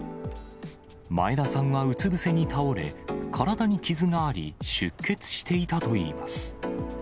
前田さんはうつぶせに倒れ、体に傷があり、出血していたといいます。